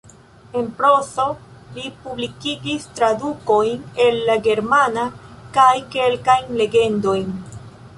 En prozo li publikigis tradukojn el la germana kaj kelkajn legendojn.